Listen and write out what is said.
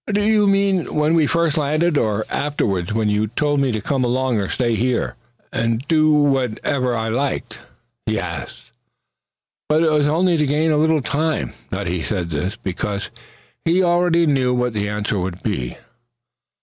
"Do you mean when we first landed; or afterwards when you told me to come along or stay here, just whichever I liked?" he asked; but it was only to gain a little time that he said this, because he already knew what the answer would be.